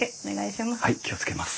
はい気を付けます。